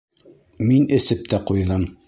Мин эсеп тә ҡуйҙым.